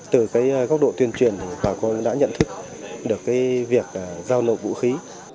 từ góc độ tuyên truyền bà con đã nhận thức được việc giao nộp vũ khí